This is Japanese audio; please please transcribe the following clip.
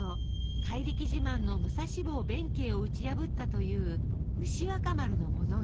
怪力自慢の武蔵坊弁慶を打ち破ったという牛若丸の物語。